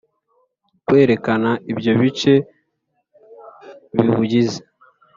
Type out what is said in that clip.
Kwerekana ibyo bice biwugize